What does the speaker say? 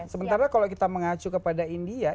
sementara kalau kita mengacu kepada india